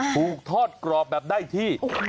ถูกทอดกรอบแบบได้ที่